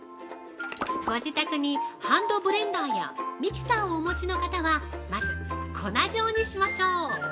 ご自宅にハンドブレンダーやミキサーをお持ちの方は、まず粉状にしましょう。